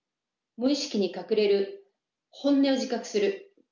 無意識に隠れる本音を自覚する。